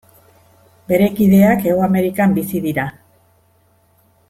Bere kideak Hego Amerikan bizi dira.